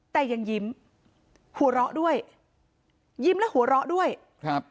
แต่ยังยิ้มหัวเราะด้วยยิ้มและหัวเราะด้วยครับ